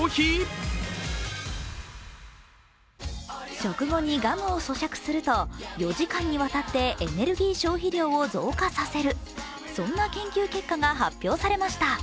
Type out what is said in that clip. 食後にガムをそしゃくすると４時間にわたってエネルギー消費量を増加させる、そんな研究結果が発表されました。